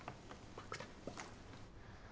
爆弾？